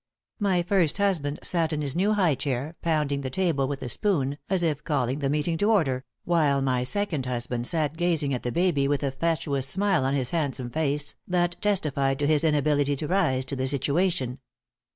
My first husband sat in his new high chair, pounding the table with a spoon, as if calling the meeting to order, while my second husband sat gazing at the baby with a fatuous smile on his handsome face that testified to his inability to rise to the situation.